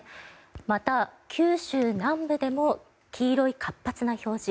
また、九州南部でも黄色い活発な表示。